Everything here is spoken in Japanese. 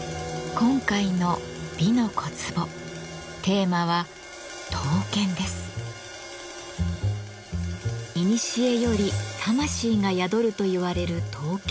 今回の「美の小壺」テーマはいにしえより魂が宿るといわれる刀剣。